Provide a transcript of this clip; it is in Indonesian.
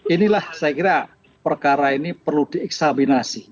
inilah saya kira perkara ini perlu dieksaminasi